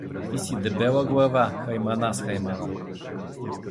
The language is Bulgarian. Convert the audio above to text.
Ти си дебела глава, хаймана с хаймана!